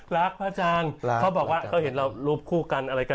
พระอาจารย์เขาบอกว่าเขาเห็นเรารูปคู่กันอะไรกัน